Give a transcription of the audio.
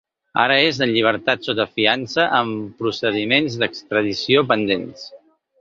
Ara és en llibertat sota fiança amb procediments d’extradició pendents.